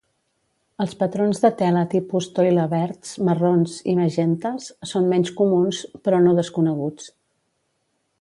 Els patrons de tela tipus toile verds, marrons i magentes són menys comuns, però no desconeguts.